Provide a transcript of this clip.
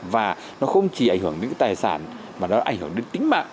và nó không chỉ ảnh hưởng đến cái tài sản mà nó ảnh hưởng đến tính mạng